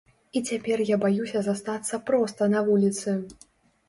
І цяпер я баюся застацца проста на вуліцы.